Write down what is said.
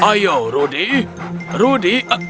ayo rudi rudi